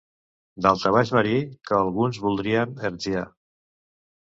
Daltabaix marí que alguns voldrien hertzià.